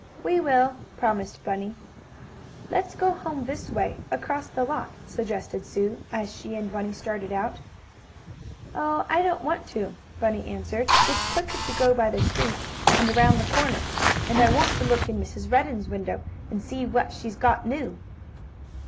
"We will!" promised Bunny. "Let's go home this way, across the lot," suggested Sue, as she and Bunny started out. "Oh, I don't want to," Bunny answered. "It's quicker to go by the street, and around the corner. And I want to look in Mrs. Redden's window, and see what she's got new."